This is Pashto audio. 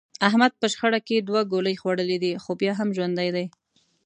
احمد په شخړه کې دوه ګولۍ خوړلې دي، خو بیا هم ژوندی دی.